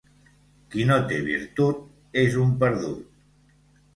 Qui no té virtut és un perdut.